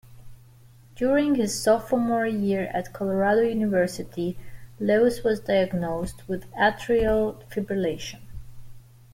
During his sophomore year at Colorado University, Lewis was diagnosed with atrial fibrillation.